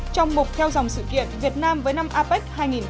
trong mục theo dòng sự kiện việt nam với năm apec hai nghìn một mươi bảy